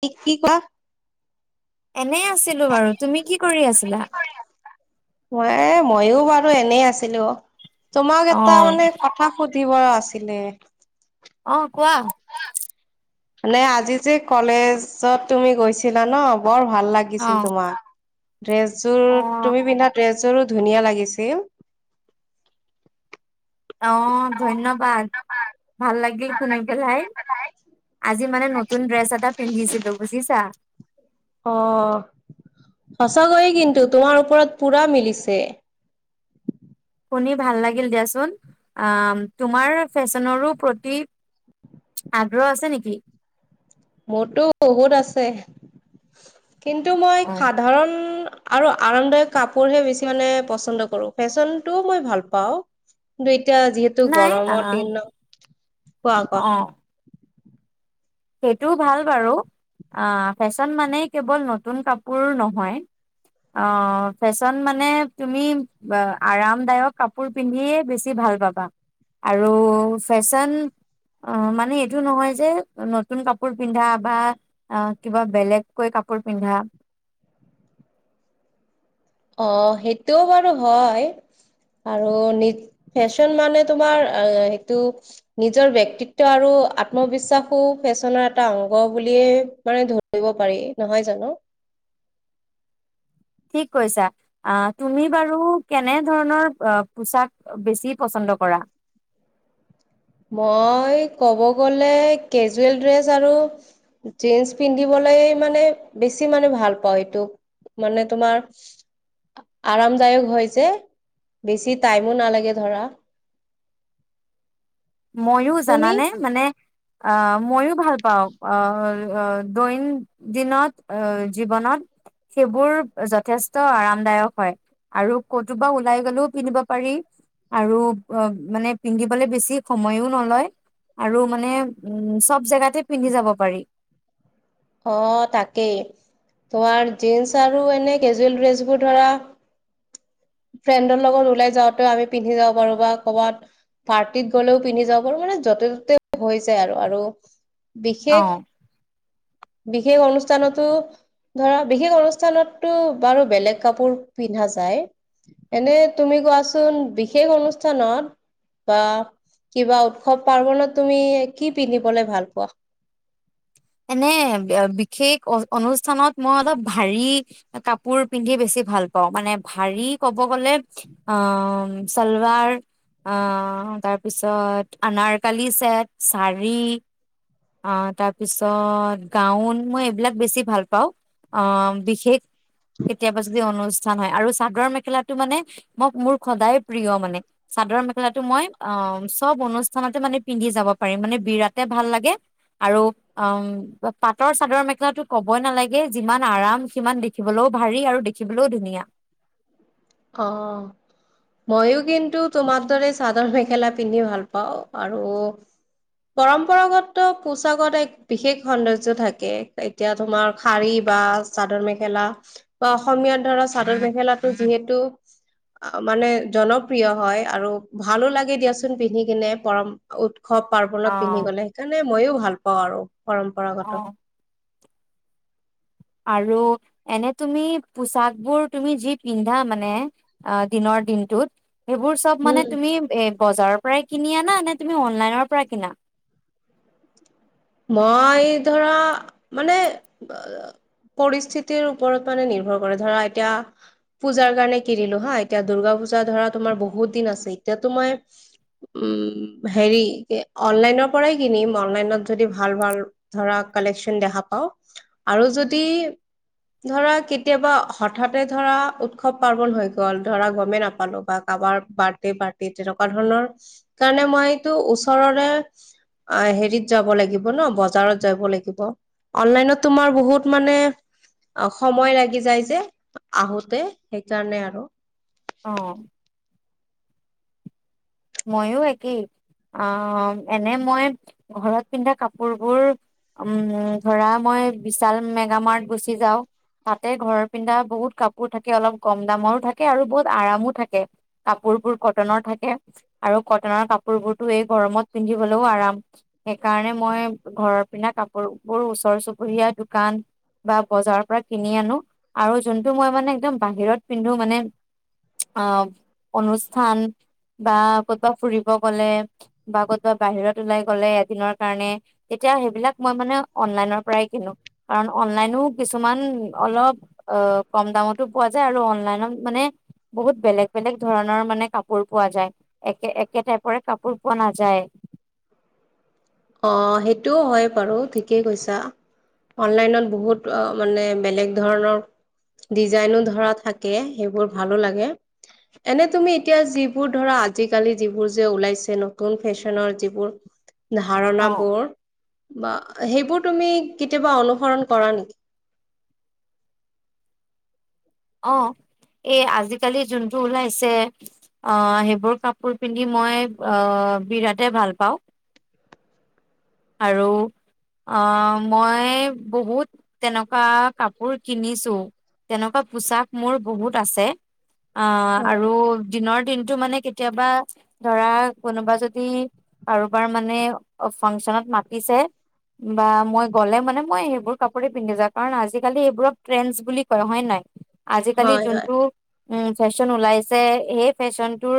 কি কি কোৱা এনে আছিলো বাৰু, তুমি কি কৰি আছিলা? ম মইয়ো বাৰু এনেই আছিলো অ তোমাক অ এটা মানে ক থা সুধিব আছিলে। অহ কোৱা মানে আজি যে কলেজত তুমি গৈছিলা ন বৰ ভাল অ লাগিছিল তোমাক। ড্ৰেছযোৰ অ তুমি পিন্ধা ড্ৰেছযোৰো ধুনীয়া লাগিছিল। অ ধন্যবাদ ভাল লাগিল শুনি পেলাই। আজি মানে নতুন ড্ৰেছ এটা পিন্ধিছিলো বুজিছা। অ সঁচাকৈয়ে কিন্তু তোমাৰ ওপৰত পুৰা মিলিছে। শুনি ভাল লাগিল দিয়া চোন আ ফেশ্বনৰো প্ৰতি আগ্ৰহ আছে নেকি? মোৰতো বহুত আছে কিন্তু মই অ সাধাৰণ আৰু আৰামদায়ক কাপোৰহে বেছি মানে পচন্দ কৰো, ফেশ্বনটোও মই ভাল পাওঁ। কিন্তু এতিয়া যিহেতু নাই গৰমৰ আহ দিন কোৱা কোৱা অ সেইটোও ভাল বাৰু আহ ফেশ্বন মানে কেৱল নতুন কাপোৰ নহয়। অ ফেশ্বন মানে তুমি আৰামদায়ক কাপোৰ পিন্ধিয়ে বেছি ভাল পাবা। আৰু ফেশ্বন মানে এইটো নহয় যে নতুন কাপোৰ পিন্ধা বা অ কিবা বেলেগকৈ কাপোৰ পিন্ধা। অ সেইটোও বাৰু হয় আৰু নি ফেশ্বন মানে তোমাৰ অ সেইটো নিজৰ ব্যক্তিত্ব আৰু আত্মবিশ্বাসো ফেশ্বনৰ এটা অংগ বুলিয়ে মানে ধ ৰিব পাৰি নহয় জানো। ঠিক কৈছা। আ তুমি বাৰু কেনে ধৰণৰ পোচাক বেছি পচন্দ কৰা? মই ক'ব গ'লে কেজুৱেল ড্ৰেছ আৰু জিন্স পিন্ধিবলৈ মানে বেছি মানে ভাল পাওঁ এইটো। মানে তোমাৰ আৰামদায়ক হয় যে বেছি টাইমো নালাগে ধৰা। মইয়ো‌ তুমি জানানে মানে আহ ময়ো ভাল পাওঁ অ, অ দৈন দিনত আহ জীৱনত সেইবোৰ যথেষ্ট আৰামদায়ক হয়। আৰু কতোবা ওলাই গলেও পিন্ধিব পাৰি আৰু অ মানে পিন্ধিবলৈ বেছি সময়ো নলয় আৰু মানে উম চব জেগাতে পিন্ধি যাব পাৰি। অ তাকেই তোমাৰ জীন্স আৰু এনে কেজুৱেল ড্ৰেছবোৰ ধৰা ফ্ৰেণ্ডৰ লগত ওলাই যাওঁতেও আমি পিন্ধি যাব পাৰো বা ক'ৰবাত পাৰ্টিত গ'লেও পিন্ধি যাব পাৰো মানে য'তে ত'তে হৈ যায় আৰু অ বিশেষ বিশেষ অনুষ্ঠানতো ধৰা বিশেষ অনুষ্ঠানতটো বাৰু বেলেগ কাপোৰ পিন্ধা যায়। এনে তুমি কোৱা চোন বিশেষ অনুষ্ঠানত বা কিবা উৎসৱ পাৰ্বনত তুমি কি পিন্ধিবলে ভাল পোৱা? এনে বিশেষ অ অনুষ্ঠানত মই অলপ ভাৰী কাপোৰ পিন্ধি বেছি পাওঁ মানে ভাৰী ক'ব গলে অ চলবাৰ অ' তাৰ পিছত আনাৰকালি ছেট চাৰি। অ তাৰ পিছত গাউন মই এইবিলাক বেছি ভাল পাওঁ অ' বিশেষ কেতিয়াবা যদি অনুষ্ঠান হয় আৰু চাদৰ মেখেলাটো মানে ম মোৰ সদায় প্ৰিয় মানে। চাদৰ মেখেলাটো মই অ' চব অনুষ্ঠানতে মানে পিন্ধি যাব পাৰি মানে বিৰাটে ভাল লাগে। আৰু উম পাটৰ চাদৰ মেখেলাতো ক'বই নালাগে, যিমান আৰাম সিমান। দেখিবলৈও ভাৰি আৰু দেখিবলৈও ধুনীয়া। অ' ময়ো কিন্তু তোমাৰ দৰে চাদৰ মেখেলা পিন্ধি ভাল পাওঁ, আৰু। পৰম্পৰাগত পোচাকত‌ এক বিশেষ সৌন্দৰ্য থাকে। এতিয়া তোমাৰ শাৰী বা চাদৰ মেখেলা বা অসমীয়া ধৰা চাদৰ মেখেলাটো‌ যিহেত তু মানে জনপ্ৰিয় হয় আৰু ভালো লাগে দিয়াচোন পিন্ধি কিনে পৰম উৎসৱ পাৰ্বনত পিন্ধি অ', গ'লে সেইকাৰণে ময়ো ভাল পাওঁ আৰু পৰম্পৰাগত। আৰু এনে তুমি পোচাক বোৰ তুমি যি পিন্ধা মানে। অ' দিনৰ দিনটোত সেইবোৰ। চব মানে উম তুমি এ বজাৰৰ পৰাই কিনি আনা নে তুমি অনলাইনৰ পৰাই কিনা। মই ধৰা মানে। পৰিস্থিতিৰ ওপৰত মানে নিৰ্ভৰ কৰে ধৰা এতিয়া। পূজাৰ কাৰণে কিনিলো হাঁ এতিয়া দূৰ্গা পূজা ধৰা তোমাৰ বহুত দিন আছে এতিয়াতো মই। উম হেৰি অনলাইনৰ পৰাই কিনিম অনলাইনত যদি ভাল ভাল ধৰা কালেকচন দেখা পাও আৰু যদি ধৰা কেতিয়াবা হঠাতে ধৰা উৎসৱ পাৰ্বন হৈ গ'ল ধৰা গমেই নাপালো বা কাৰবাৰ বাৰ্থডে পাৰ্টি তেনেকুৱা ধৰণৰ কাৰণে মই এইটো ওচৰৰে অ হেৰিত যাব লাগিব ন বজাৰত যাব লাগিব অনলাইনত তোমাৰ বহুত মানে অ' সময় লাগি যায় যে আহোতে সেইকাৰণে আৰু। অ'। ময়ো একেই আ এনে মই ঘৰত পিন্ধা কাপোৰবোৰ উম ধৰা মই বিশাল মেগামাৰ্ট গুচি যাও। তাতে ঘৰৰ পিন্ধা বহুত কাপোৰ থাকে অলপ কম দামৰো থাকে আৰু বহুত আৰামো থাকে। কাপোৰবোৰ কটনৰ থাকে আৰু কটনৰ কাপোৰ বোৰতো এই গৰমত পিন্ধিবলৈও আৰাম। সেইকাৰণে মই ঘৰৰ পিন্ধা কাপোৰ বোৰ ওচৰ চুবুৰীয়া দোকান বা বজাৰৰ পৰা কিনি আনো আৰু জোনটো মই মানে একদম বাহিৰত পিন্ধো মানে অ' অনুষ্ঠান বা ক'তবা ফুৰিব গলে বা ক'তবা বাহিৰত ওলাই গ'লে এদিনৰ কাৰণে তেতিয়া সেইবিলাক মই মানে অনলাইনৰ পৰাই কিনো কাৰণ অনলাইনো কিছুমান অলপ অ' কম দামতো পোৱা যায় আৰু অনলাইনত মানে বহুত বেলেগ বেলেগ ধৰণৰ মানে কাপোৰ পোৱা যায়। একে একে টাইপৰে কাপোৰ পোৱা নাযায়। অ' সেইটোও হয় বাৰু থিকেই কৈছা। অনলাইনত বহুত মানে বেলেগ ধৰণৰ ডিজাইনো ধৰা থাকে সেইবোৰ ভালো লাগে। এনে তুমি এতিয়া যিবোৰ ধৰা আজিকালি যিবোৰ যে ওলাইছে নতুন ফেশ্বনৰ যিবোৰ অ ধাৰণাবোৰ বা সেইবোৰ তুমি কেতিয়াবা অনুসৰণ কৰা নেকি? অ', এই আজিকালি যোনটো ওলাইছে অ', সেইবোৰ কাপোৰ পিন্ধি মই অ', বিৰাটে ভাল পাওঁ। আৰু অ', মই বহুত তেনেকুৱা কাপোৰ কিনিছোঁ, তেনেকুৱা পোছাক মোৰ বহুত আছে, অ', আৰু দিনৰ দিনটো মানে কেতিয়াবা ধৰা কোনোবা যদি কাৰোবাৰ মানে অ', ফাংচনত মাতিছে বা মই গ'লে মানে মই সেইবোৰ কাপোৰে পিন্ধি যাওঁ, কাৰণ আজিকালি এইবোৰত ট্ৰেণ্ডছ বুলি কয় হয়, নাই? আজিকালি হয় হয় যোনটো উম, ফেশ্বন ওলাইছে সেই ফেশ্বনটোৰ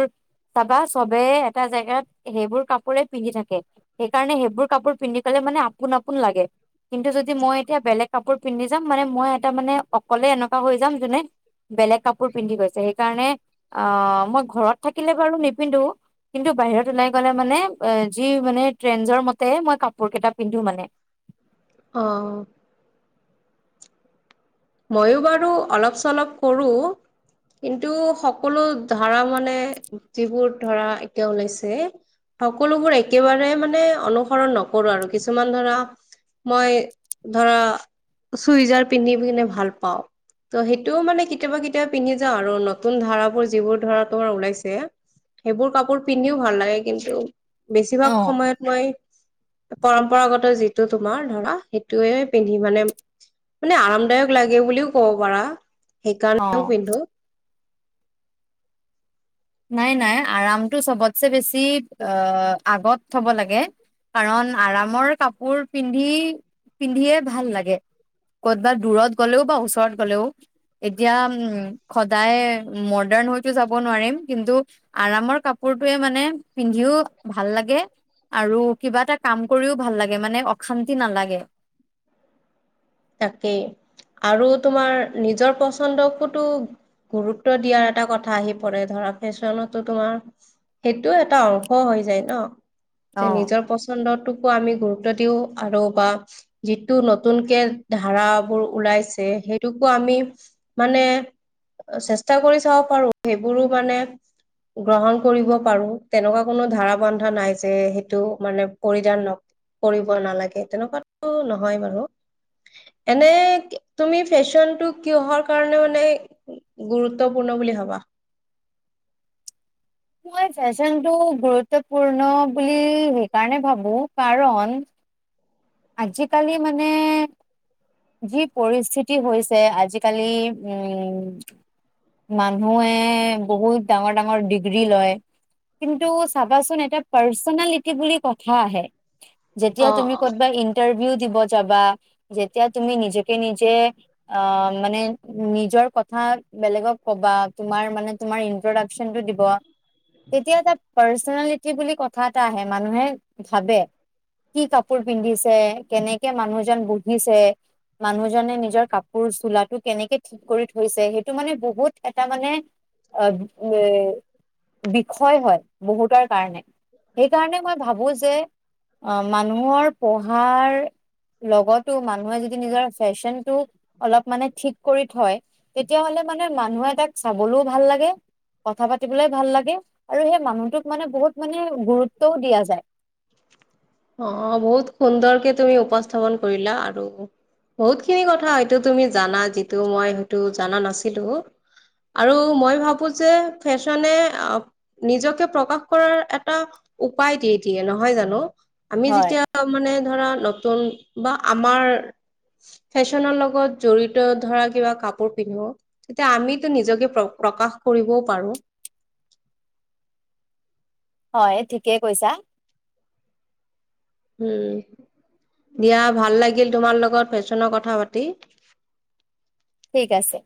চাবা চবে এটা জেগাত সেইবোৰ কাপোৰে পিন্ধি থাকে। সেইকাৰণে সেইবোৰ কাপোৰ পিন্ধি পেলাই মানে আপোন, আপোন লাগে। কিন্তু যদি মই এতিয়া বেলেগ কাপোৰ পিন্ধি যাম, মানে মই এটা মানে অকলে এনেকুৱা হৈ যাম যোনে বেলেগ কাপোৰ পিন্ধি গৈছে সেইকাৰণে অ', মই ঘৰত থাকিলে বাৰু নিপিন্ধো। কিন্তু বাহিৰত ওলাই গ'লে মানে এ যি মানে ট্ৰেনজৰ মতে মই কাপোৰ কেটা পিন্ধো মানে। অ'। ময়ো বাৰু অলপ চলপ কৰোঁ। কিন্তু সকলো ধৰা মানে, যিবোৰ ধৰা এতিয়া ওলাইছে। সকলোবোৰ একেবাৰে মানে অনুসৰণ নকৰোঁ আৰু কিছুমান ধৰা মই ধৰা চুইজাৰ পিন্ধি কিনে ভাল পাওঁ। ত' সেইটোও মানে কেতিয়াবা, কেতিয়াবা পিন্ধি যাওঁ আৰু নতুন ধাৰাবোৰ যিবোৰ ধৰা তোমাৰ ওলাইছে। সেইবোৰ কাপোৰ পিন্ধিও ভাল লাগে, কিন্তু অ বেছিভাগ সময়ত মই পৰম্পৰাগত যিটো তোমাৰ ধৰা সেইটোয়ে পিন্ধি মানে, মানে আৰামদায়ক লাগে বুলিও ক'ব পাৰা অ সেইকাৰণেও পিন্ধো। নাই, নাই আৰামটো চবতছে বেছি অ', আগত থ'ব লাগে। কাৰণ আৰামৰ কাপোৰ পিন্ধি, পিন্ধিয়ে ভাল লাগে। ক'তবাত দূৰত গ'লেও বা ওচৰত গ'লেও। এতিয়া উম, সদায় মডাৰ্ণ হৈ তো যাব নোৱাৰিম। কিন্তু আৰামৰ কাপোৰটোৱে মানে পিন্ধিও ভাল লাগে। আৰু কিবা এটা কাম কৰিও ভাল লাগে মানে অশান্তি নালাগে। তাকেই, আৰু তোমাৰ নিজৰ পচন্দকোতো গুৰুত্ব দিয়াৰ এটা কথা আহি পৰে, ধৰা ফেশ্বনতো তোমাৰ সেইটো এটা অংশ হৈ যায় ন? অ যে, নিজৰ পচ [unintelligible] টোকো আমি গুৰুত্ব দিওঁ, আৰু বা যিটো নতুনকে ধাৰাবোৰ ওলাইছে, সেইটোকো আমি মানে চেষ্টা কৰি চাব পাৰোঁ, সেইবোৰো মানে গ্ৰহণ কৰিব পাৰোঁ, তেনেকুৱা কোনো ধাৰা বন্ধা নাই যে, সেইটো মানে পৰিধান নক কৰিব নালাগে তেনেকুৱাতো নহয় বাৰু। এনে তুমি ফেশ্বনটো কিহৰ কাৰণে মানে গুৰুত্বপূৰ্ণ বুলি ভাবা? মই ফেশ্বনটো গুৰুত্বপূৰ্ণ বুলি সেইকাৰণে ভাবোঁ, কাৰণ আজিকালি মানে যি পৰিস্থিতি হৈছে আজিকালি উম মানুহে বহুত ডাঙৰ, ডাঙৰ ডিগ্ৰী লয়। কিন্তু চাবাচোন এটা পাৰ্চনেলিটি বুলি কথা আহে। যেতিয়া তুমি কৰ'বাত ইন্টাৰভিউ দিব যাবা এতিয়া তুমি নিজকে নিজে অ' মানে নিজৰ কথা বেলেগক কবা তোমাৰ মানে তুমাৰ ইনট্ৰডাক্যন টো দিব। তেতিয়া এটা পাৰ্চনেলিটি বুলি কথা এটা আহে, মানুহে ভাবে। কি কাপোৰ পিন্ধিছে কেনেকে মানুহজন বহিছে। মানুহজনে নিজৰ কাপোৰ চোলাটো কেনেকে [unintelligible] কৰি থৈছে সেইটো মানে বহুত এটা মানে অ এ, বিষয় হয় বহুতৰ কাৰণে, সেইকাৰণে মই ভাবো যে অ' মানুহৰ পঢ়াৰ লগত মানুহে যদি নিজৰ ফেশ্বন টো অলপ মানে ঠিক কৰি থয়। তেতিয়াহ'লে মানে মানুহে তাক চাবলৈও ভাল লাগে। কথা পাতিবলৈ ভাল লাগে আৰু সেই মানুহটোক মানে বহুত মানে গুৰুত্বও দিয়া যায়। অ' অ' বহুত সুন্দৰকে তুমি উপস্থাপন কৰিলা। আৰু বহুত খিনি কথা হয়তটো তুমি জানা, যিটো মই হয়টো জানা নাছিলো। আৰু মই ভাবো যে ফেশ্বনে নিজকে প্ৰকাশ কৰাৰ এক এটা উপায় দিয়ে দিয়ে নহয় জানো, আমি হয় যেতিয়া [unintelligible] মানে ধৰা নতুন বা আমাৰ ফেশ্বনৰ লগত জড়িত ধৰা কিবা কাপোৰ পিন্ধো। তেতিয়া আমিতো নিজকে প্ৰ প্ৰকাশ কৰিবও পাৰো। হয়, ঠিকেই কৈছা। উম, দিয়া ভাল লাগিল তোমাৰ লগত ফেশ্বনৰ কথা পাতি। ঠিক আছে।